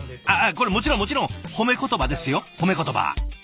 これもちろんもちろん褒め言葉ですよ褒め言葉。